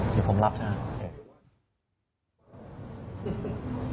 สิ่งผมรับใช่ไหม